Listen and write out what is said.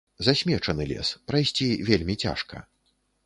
Засмечаны лес, прайсці вельмі цяжка.